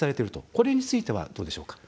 これについては、どうでしょうか。